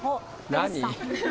何？